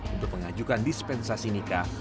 untuk mengajukan dispensasi nikah